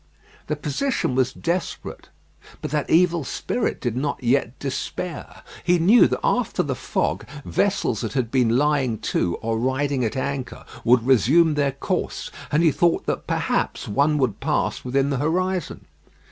The position was desperate, but that evil spirit did not yet despair. He knew that after the fog, vessels that had been lying to or riding at anchor would resume their course; and he thought that perhaps one would pass within the horizon.